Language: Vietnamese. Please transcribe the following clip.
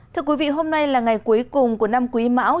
thưa quý vị hôm nay là ngày cuối cùng của năm quý mão